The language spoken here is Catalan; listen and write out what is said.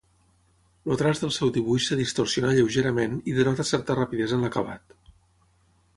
El traç del seu dibuix es distorsiona lleugerament i denota certa rapidesa en l'acabat.